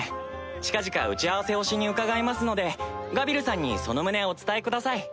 近々打ち合わせをしに伺いますのでガビルさんにその旨お伝えください。